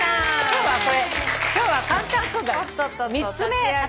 今日は簡単そうだ。